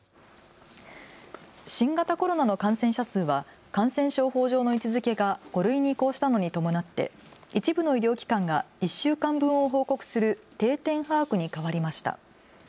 新型コロナの感染者数は感染症法上の位置づけが５類に移行したのに伴って一部の医療機関が１週間分を報告する定点把握に変わりました。